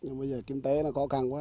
nhưng bây giờ kinh tế nó có kháng